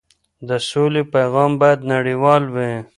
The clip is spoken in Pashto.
د سولې پیغام باید نړیوال وي.